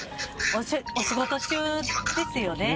お仕事中ですよね？